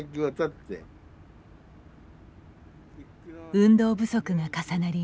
運動不足が重なり